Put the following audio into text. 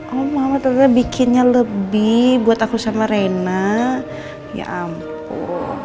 oh mama ternyata bikinnya lebih buat aku sama reina ya ampun